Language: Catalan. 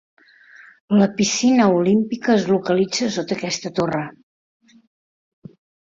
La piscina olímpica es localitza sota aquesta torre.